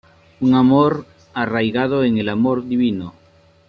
Un amor arraigado en el amor divino.